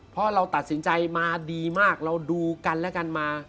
เพราะเราตัดสินใจมาดีมากเราดูกันและกันมา